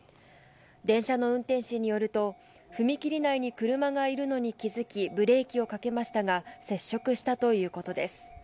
電車の運転士によると、踏切内に車がいるのに気づきブレーキをかけましたが、接触したということです。